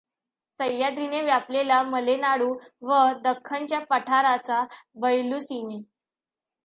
सह्याद्रीने व्यापलेला मलेनाडू, व दख्खनच्या पठाराचा बयलूसीमे.